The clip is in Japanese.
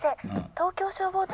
東京消防庁？